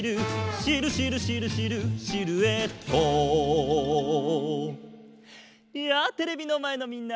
「シルシルシルシルシルエット」やあテレビのまえのみんな！